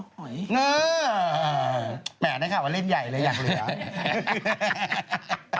แหมแนะอะค่ะว่าเล่นใหญ่เหลืออยากเหลือ